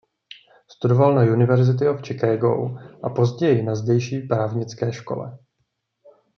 Studoval na University of Chicago a později na zdejší právnické škole.